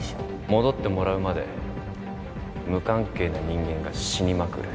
戻ってもらうまで無関係な人間が死にまくる